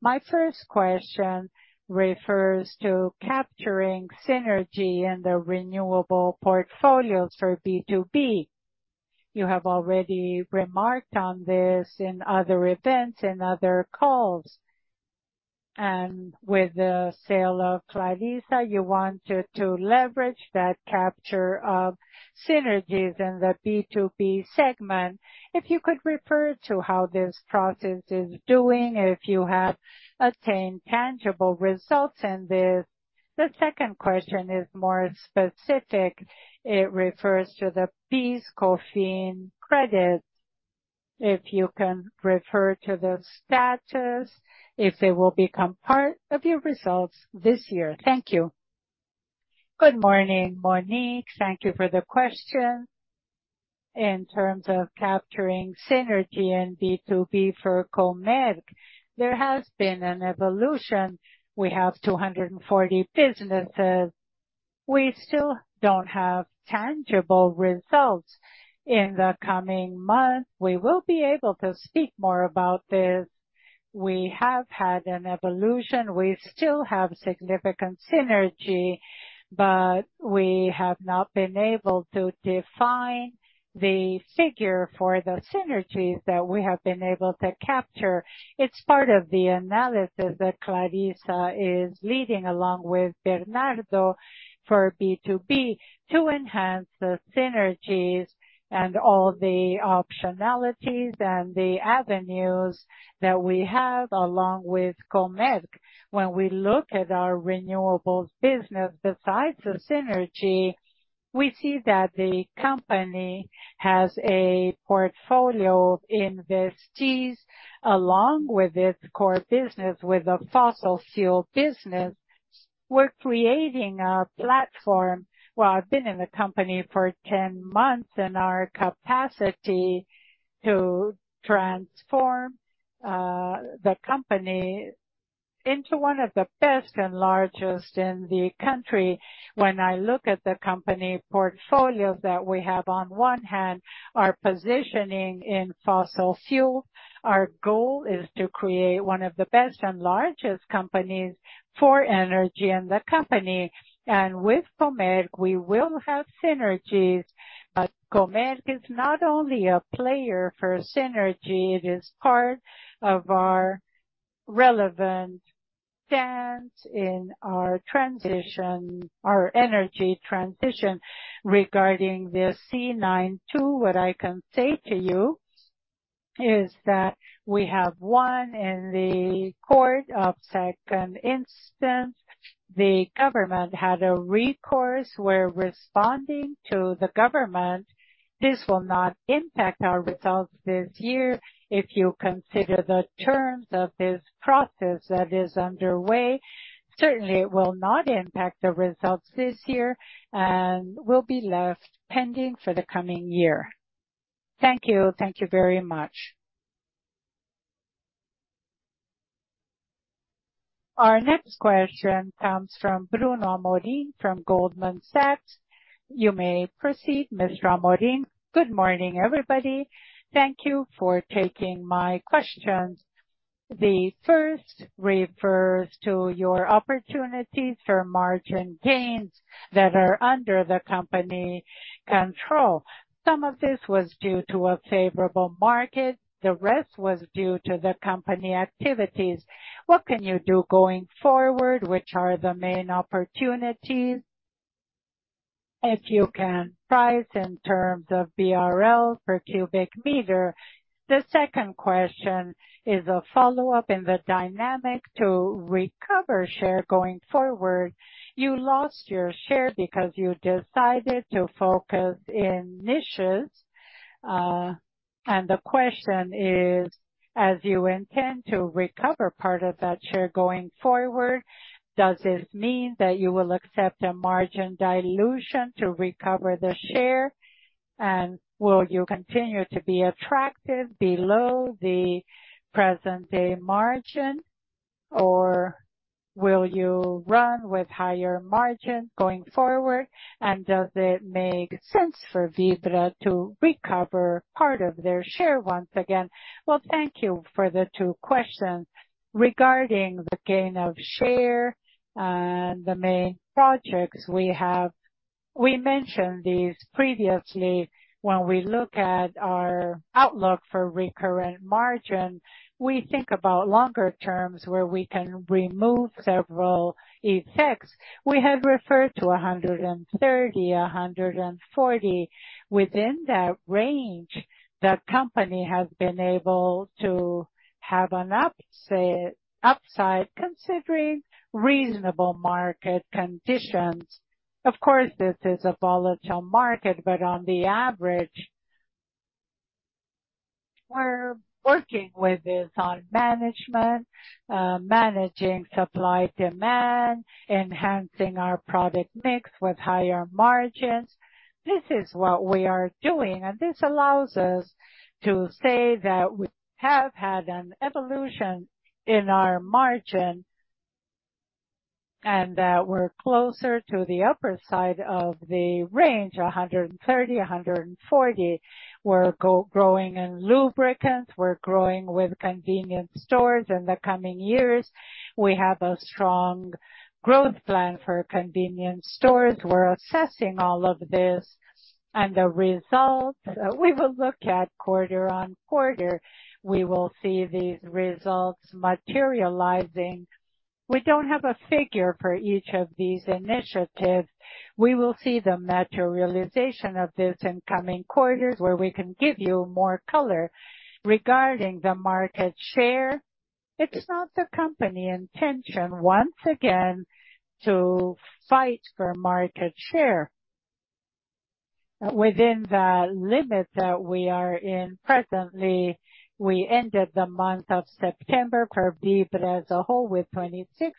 Speaker 1: My first question refers to capturing synergy in the renewable portfolios for B2B. You have already remarked on this in other events and other calls, and with the cell of Clarissa, you wanted to leverage that capture of synergies in the B2B segment. If you could refer to how this process is doing, if you have attained tangible results in this. The second question is more specific. It refers to the PIS/COFINS credits. If you can refer to the status, if they will become part of your results this year. Thank you. Good morning, Monique. Thank you for the question. In terms of capturing synergy in B2B for Comerc, there has been an evolution. We have 240 businesses. We still don't have tangible results. In the coming months, we will be able to speak more about this. We have had an evolution. We still have significant synergy, but we have not been able to define the figure for the synergies that we have been able to capture. It's part of the analysis that Clarissa is leading, along with Bernardo, for B2B, to enhance the synergies and all the optionalities and the avenues that we have, along with Comerc. When we look at our renewables business, besides the synergy, we see that the company has a portfolio of investees, along with its core business, with a fossil fuel business. We're creating a platform. Well, I've been in the company for 10 months, and our capacity to transform the company into one of the best and largest in the country. When I look at the company portfolios that we have, on one hand, our positioning in fossil fuel, our goal is to create one of the best and largest companies for energy in the company. And with Comerc, we will have synergies, but Comerc is not only a player for synergy, it is part of our relevant stance in our transition, our energy transition. Regarding the LC 192, what I can say to you is that we have one in the court of second instance. The government had a recourse. We're responding to the government. This will not impact our results this year. If you consider the terms of this process that is underway, certainly it will not impact the results this year and will be left pending for the coming year. Thank you. Thank you very much. Our next question comes from Bruno Amorim, from Goldman Sachs. You may proceed, Mr. Amorim. Good morning, everybody. Thank you for taking my questions. The first refers to your opportunities for margin gains that are under the company control. Some of this was due to a favorable market, the rest was due to the company activities. What can you do going forward, which are the main opportunities, if you can price in terms of BRL per cu m? The second question is a follow-up in the dynamic to recover share going forward. You lost your share because you decided to focus in niches. And the question is: As you intend to recover part of that share going forward, does this mean that you will accept a margin dilution to recover the share? And will you continue to be attractive below the present-day margin, or will you run with higher margin going forward? And does it make sense for Vibra to recover part of their share once again? Well, thank you for the two questions. Regarding the gain of share and the main projects we have, we mentioned these previously. When we look at our outlook for recurrent margin, we think about longer terms where we can remove several effects. We had referred to 130, 140. Within that range, the company has been able to have an upside, considering reasonable market conditions. Of course, this is a volatile market, but on the average...... We're working with this on management, managing supply demand, enhancing our product mix with higher margins. This is what we are doing, and this allows us to say that we have had an evolution in our margin, and that we're closer to the upper side of the range, 130, 140. We're growing in lubricants, we're growing with convenience stores in the coming years. We have a strong growth plan for convenience stores. We're assessing all of this, and the results, we will look at QoQ, we will see these results materializing. We don't have a figure for each of these initiatives. We will see the materialization of this in coming quarters, where we can give you more color. Regarding the market share, it's not the company intention, once again, to fight for market share. Within the limits that we are in presently, we ended the month of September as a whole, with 26%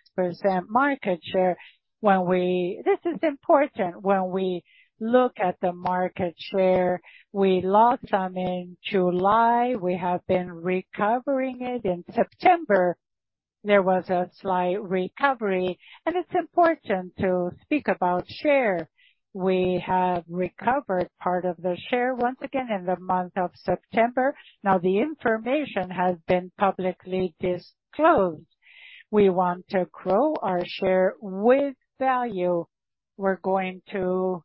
Speaker 1: market share. This is important. When we look at the market share, we lost some in July. We have been recovering it. In September, there was a slight recovery, and it's important to speak about share. We have recovered part of the share, once again, in the month of September. Now, the information has been publicly disclosed. We want to grow our share with value. We're going to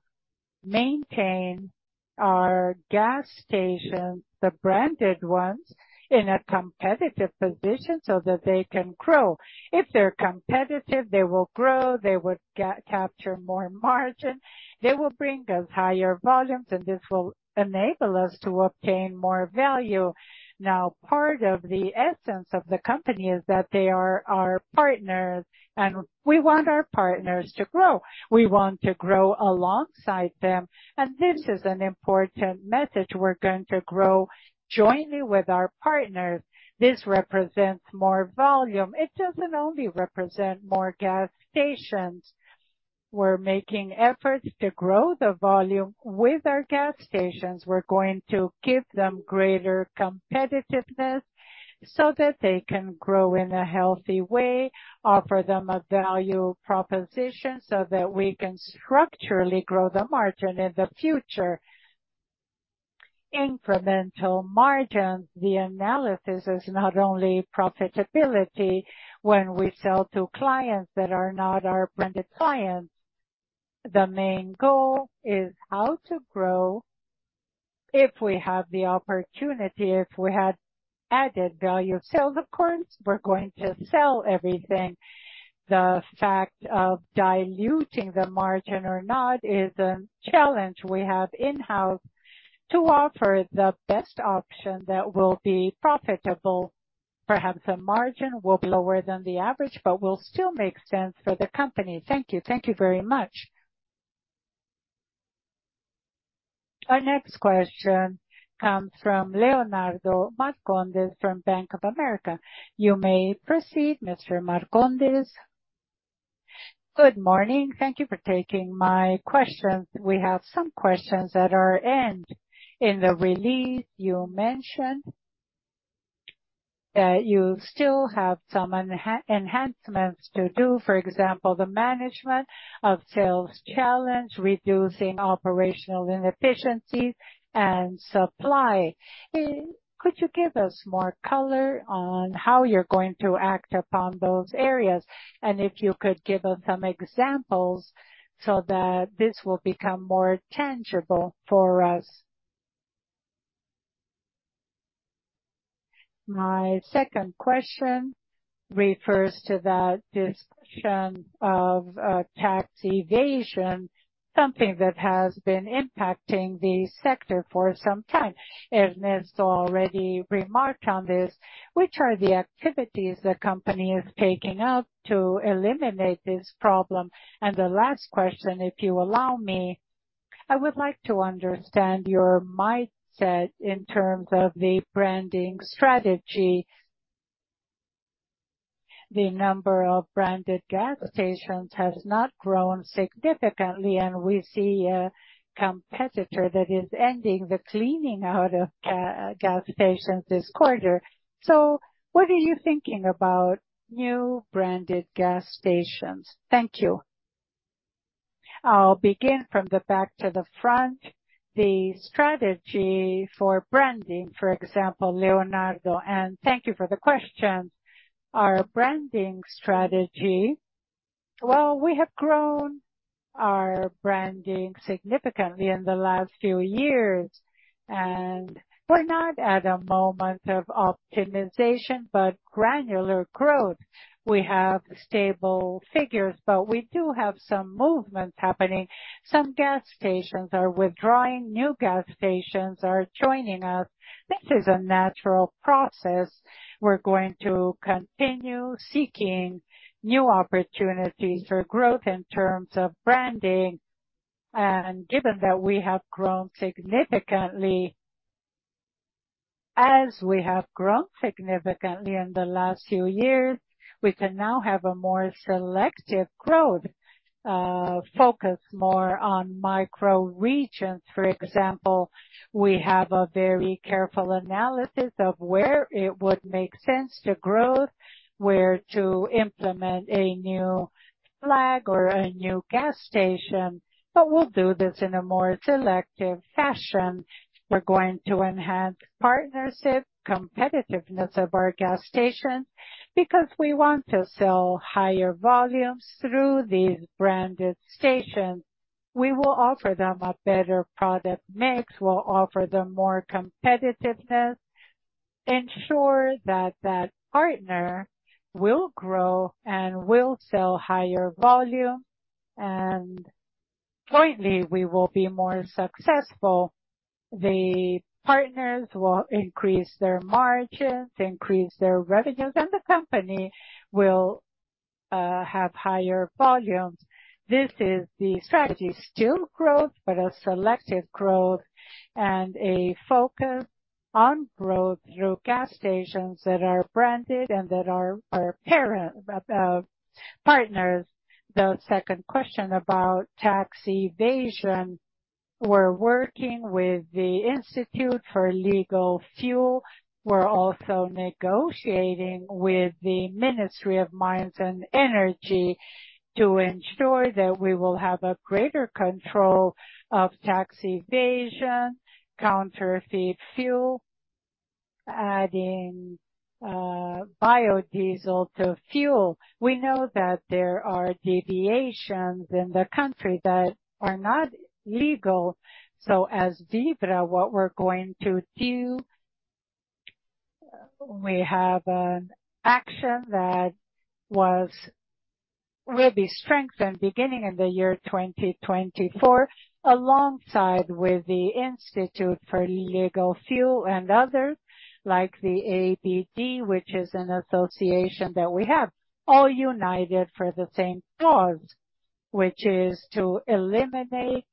Speaker 1: maintain our gas stations, the branded ones, in a competitive position so that they can grow. If they're competitive, they will grow, they would capture more margin, they will bring us higher volumes, and this will enable us to obtain more value. Now, part of the essence of the company is that they are our partners, and we want our partners to grow. We want to grow alongside them, and this is an important message. We're going to grow jointly with our partners. This represents more volume. It doesn't only represent more gas stations. We're making efforts to grow the volume with our gas stations. We're going to give them greater competitiveness so that they can grow in a healthy way, offer them a value proposition, so that we can structurally grow the margin in the future. Incremental margins, the analysis is not only profitability when we sell to clients that are not our branded clients. The main goal is how to grow if we have the opportunity, if we had added value sales, of course, we're going to sell everything. The fact of diluting the margin or not is a challenge we have in-house to offer the best option that will be profitable. Perhaps the margin will be lower than the average, but will still make sense for the company. Thank you. Thank you very much. Our next question comes from Leonardo Marcondes, from Bank of America. You may proceed, Mr. Marcondes. Good morning. Thank you for taking my questions. We have some questions at our end. In the release, you mentioned that you still have some enhancements to do, for example, the management of sales challenge, reducing operational inefficiencies and supply. Could you give us more color on how you're going to act upon those areas? And if you could give us some examples so that this will become more tangible for us. My second question refers to the discussion of tax evasion, something that has been impacting the sector for some time. Ernesto already remarked on this. Which are the activities the company is taking up to eliminate this problem? And the last question, if you allow me, I would like to understand your mindset in terms of the branding strategy. The number of branded gas stations has not grown significantly, and we see a competitor that is ending the cleaning out of gas stations this quarter. So what are you thinking about new branded gas stations? Thank you. I'll begin from the back to the front. The strategy for branding, for example, Leonardo, and thank you for the questions. Our branding strategy... Well, we have grown our branding significantly in the last few years, and we're not at a moment of optimization, but granular growth. We have stable figures, but we do have some movements happening. Some gas stations are withdrawing. New gas stations are joining us. This is a natural process. We're going to continue seeking new opportunities for growth in terms of branding... Given that we have grown significantly, as we have grown significantly in the last few years, we can now have a more selective growth, focus more on micro regions. For example, we have a very careful analysis of where it would make sense to grow, where to implement a new flag or a new gas station, but we'll do this in a more selective fashion. We're going to enhance partnership, competitiveness of our gas station, because we want to sell higher volumes through these branded stations. We will offer them a better product mix. We'll offer them more competitiveness, ensure that that partner will grow and will sell higher volume, and jointly, we will be more successful. The partners will increase their margins, increase their revenues, and the company will have higher volumes. This is the strategy, still growth, but a selective growth and a focus on growth through gas stations that are branded and that are our partners. The second question about tax evasion. We're working with the Institute for Legal Fuel. We're also negotiating with the Ministry of Mines and Energy to ensure that we will have a greater control of tax evasion, counterfeit fuel, adding biodiesel to fuel. We know that there are deviations in the country that are not legal, so as Vibra, what we're going to do, we have an action that will be strengthened beginning in the year 2024, alongside with the Institute for Legal Fuel and others, like the IBP, which is an association that we have, all united for the same cause, which is to eliminate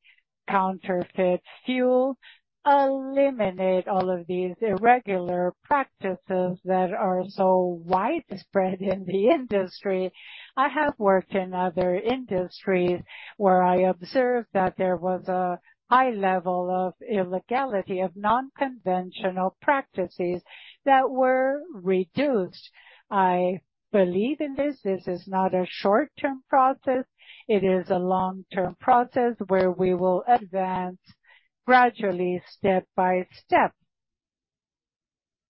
Speaker 1: counterfeit fuel, eliminate all of these irregular practices that are so widespread in the industry. I have worked in other industries where I observed that there was a high level of illegality, of non-conventional practices that were reduced. I believe in this. This is not a short-term process. It is a long-term process where we will advance gradually, step by step.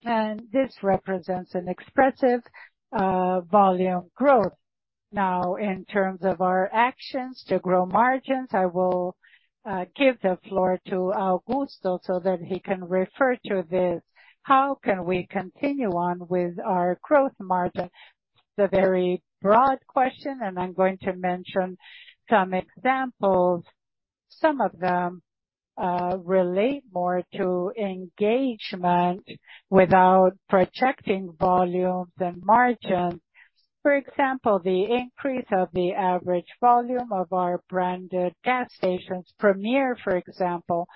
Speaker 1: And this represents an expressive volume growth. Now, in terms of our actions to grow margins, I will give the floor to Augusto so that he can refer to this, how can we continue on with our growth margin? It's a very broad question, and I'm going to mention some examples. Some of them relate more to engagement without projecting volumes and margins. For example, the increase of the average volume of our branded gas stations, Premmia, for example,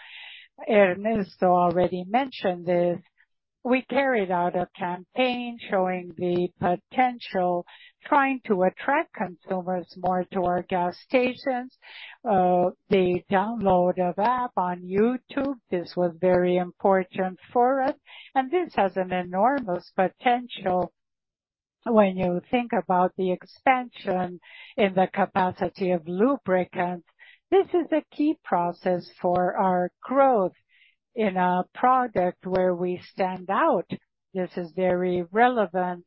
Speaker 1: Ernesto already mentioned this. We carried out a campaign showing the potential, trying to attract consumers more to our gas stations. The download of app on iTunes, this was very important for us, and this has an enormous potential when you think about the expansion in the capacity of lubricants. This is a key process for our growth in a product where we stand out. This is very relevant.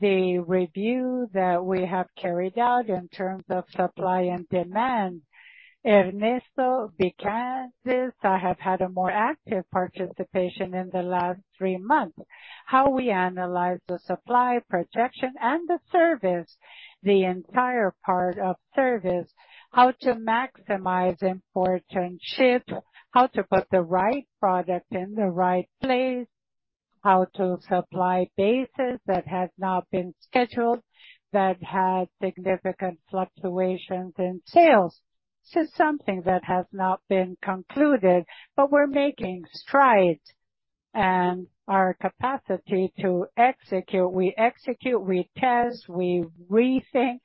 Speaker 1: The review that we have carried out in terms of supply and demand, Ernesto began this. I have had a more active participation in the last three months. How we analyze the supply, projection and the service, the entire part of service, how to maximize importation, how to put the right product in the right place, how to supply bases that has not been scheduled, that had significant fluctuations in sales. This is something that has not been concluded, but we're making strides and our capacity to execute. We execute, we test, we rethink.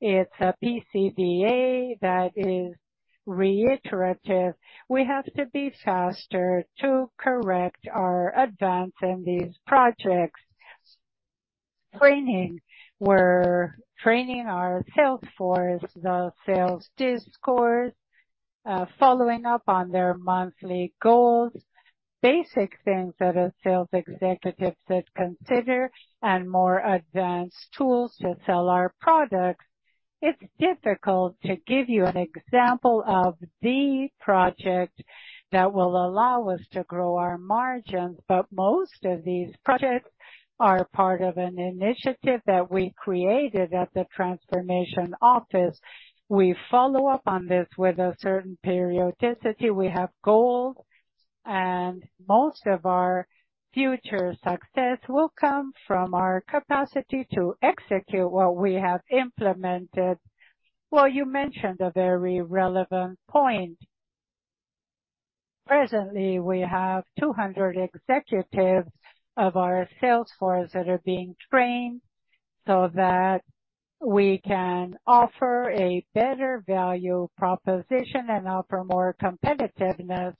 Speaker 1: It's a PDCA that is reiterative. We have to be faster to correct our advance in these projects. Training. We're training our sales force, the sales discourse, following up on their monthly goals, basic things that a sales executive should consider and more advanced tools to sell our products. It's difficult to give you an example of the project that will allow us to grow our margins, but most of these projects are part of an initiative that we created at the Transformation Office. We follow up on this with a certain periodicity. We have goals. Most of our future success will come from our capacity to execute what we have implemented. Well, you mentioned a very relevant point. Presently, we have 200 executives of our sales force that are being trained so that we can offer a better value proposition and offer more competitiveness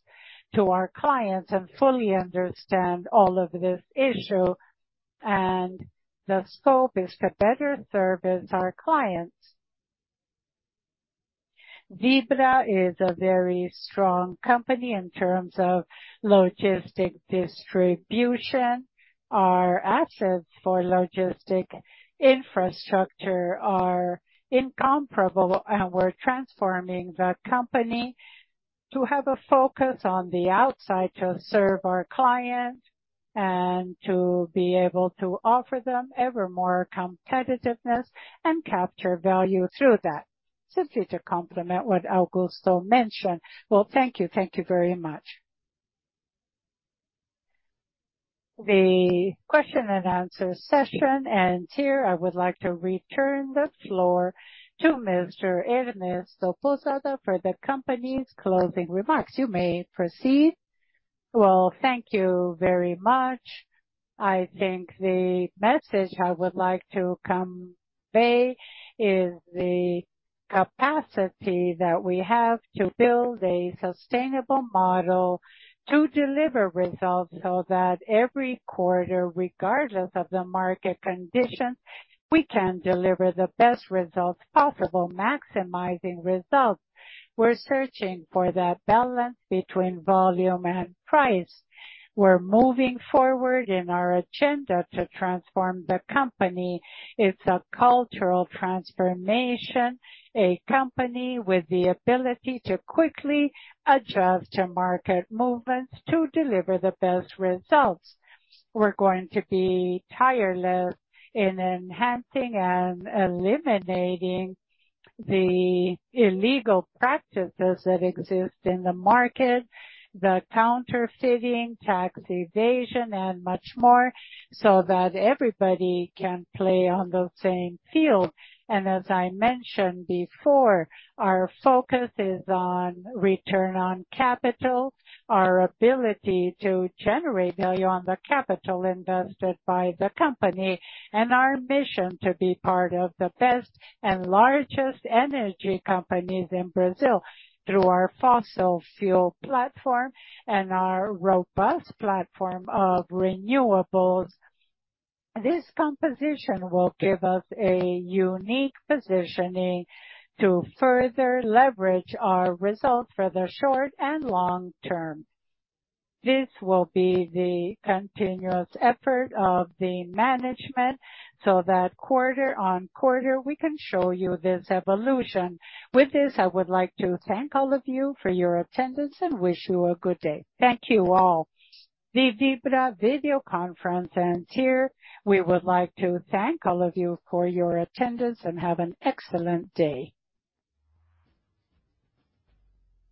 Speaker 1: to our clients and fully understand all of this issue, and the scope is to better service our clients. Vibra is a very strong company in terms of logistics distribution. Our assets for logistic infrastructure are incomparable, and we're transforming the company to have a focus on the outside, to serve our clients and to be able to offer them ever more competitiveness and capture value through that. Simply to complement what Augusto mentioned. Well, thank you. Thank you very much. The question-and-answer session ends here. I would like to return the floor to Mr. Ernesto Pousada for the company's closing remarks. You may proceed. Well, thank you very much. I think the message I would like to convey is the capacity that we have to build a sustainable model to deliver results, so that every quarter, regardless of the market conditions, we can deliver the best results possible, maximizing results. We're searching for that balance between volume and price. We're moving forward in our agenda to transform the company. It's a cultural transformation, a company with the ability to quickly adjust to market movements to deliver the best results. We're going to be tireless in enhancing and eliminating the illegal practices that exist in the market, the counterfeiting, tax evasion and much more, so that everybody can play on the same field. As I mentioned before, our focus is on return on capital, our ability to generate value on the capital invested by the company, and our mission to be part of the best and largest energy companies in Brazil through our fossil fuel platform and our robust platform of renewables. This composition will give us a unique positioning to further leverage our results for the short and long term. This will be the continuous effort of the management, so that QoQ, we can show you this evolution. With this, I would like to thank all of you for your attendance and wish you a good day. Thank you all. The Vibra video conference ends here. We would like to thank all of you for your attendance, and have an excellent day.